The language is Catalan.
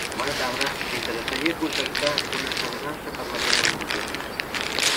Bona tarda, m'interessaria contractar una assegurança per a la meva moto.